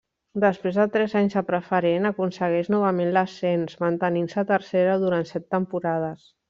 Després de tres anys a Preferent, aconsegueix novament l'ascens, mantenint-se a Tercera durant set temporades.